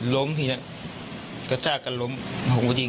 ล้มแบบนี้กระจ้ากันล้มมาคือหุ้มหล่มโดยนี่